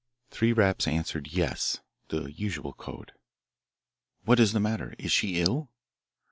"Three raps answered 'yes,' the usual code. "'What is the matter? Is she ill?'